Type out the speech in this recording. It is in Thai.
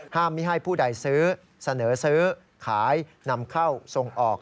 ไม่ให้ผู้ใดซื้อเสนอซื้อขายนำเข้าส่งออก